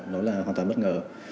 nó là hoàn toàn bất ngờ